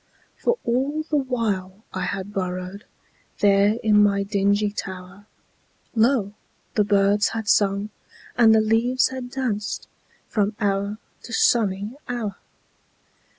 For all the while I had burrowedThere in my dingy tower, Lo! the birds had sung and the leaves had dancedFrom hour to sunny hour.